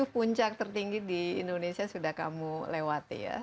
sepuluh puncak tertinggi di indonesia sudah kamu lewati ya